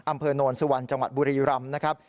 อำเภอโนนสุวรรณจังหวัดบุรีรำนะครับ